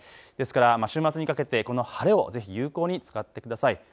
ですから週末にかけて晴れを有効に使ってください。